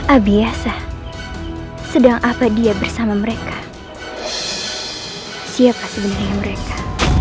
abiasa sedang apa dia bersama mereka siapa sebenarnya mereka